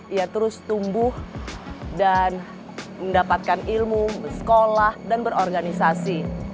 ia terus tumbuh dan mendapatkan ilmu sekolah dan berorganisasi